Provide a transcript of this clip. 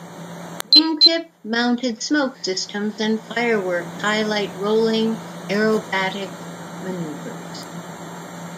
Wingtip mounted smoke systems and fireworks highlight rolling aerobatic maneuvers.